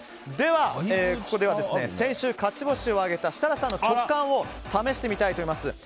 では、ここで先週勝ち星を挙げた設楽さんの直感を試してみたいと思います。